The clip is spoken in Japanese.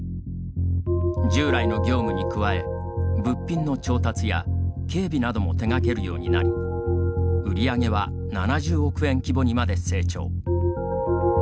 従来の業務に加え、物品の調達や警備なども手がけるようになり売り上げは７０億円規模にまで成長。